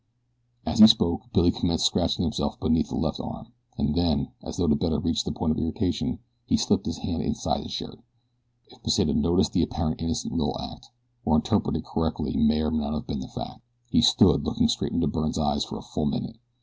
As he spoke Billy commenced scratching himself beneath the left arm, and then, as though to better reach the point of irritation, he slipped his hand inside his shirt. If Pesita noticed the apparently innocent little act, or interpreted it correctly may or may not have been the fact. He stood looking straight into Byrne's eyes for a full minute.